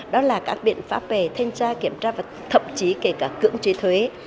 đó là các biện pháp về thanh tra kiểm tra và thậm chí kể cả cưỡng chế thuế